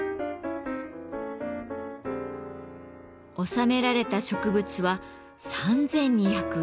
収められた植物は３，２０６種。